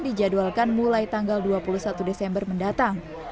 dijadwalkan mulai tanggal dua puluh satu desember mendatang